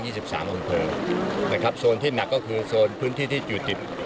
สิบสามอำเภอนะครับโซนที่หนักก็คือโซนพื้นที่ที่อยู่ติด